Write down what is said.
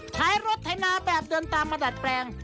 ใช้รถไถนาแบบเดินตามมาดัดแปลง